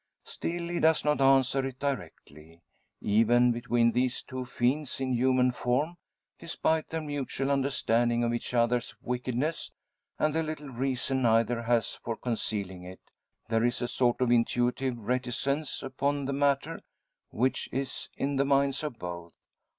Still he does not answer it directly. Even between these two fiends in human form, despite their mutual understanding of each other's wickedness, and the little reason either has for concealing it, there is a sort of intuitive reticence upon the matter which is in the minds of both.